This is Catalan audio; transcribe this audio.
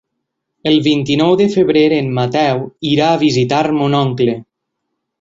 El vint-i-nou de febrer en Mateu irà a visitar mon oncle.